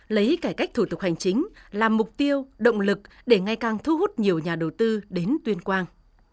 lấy cải cách thủ tục hành chính là mục tiêu động lực để ngày càng thu hút nhiều nhà đầu tư đến tuyên quang